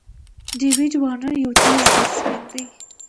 داويد وارنر یو تېز بېټسمېن دئ.